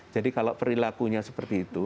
jadi kalau perilakunya seperti itu